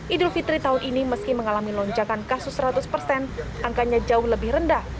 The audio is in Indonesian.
idul fitri tahun ini meski mengalami lonjakan kasus seratus persen angkanya jauh lebih rendah